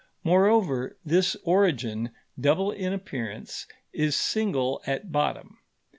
Moreover, this origin, double in appearance, is single at bottom.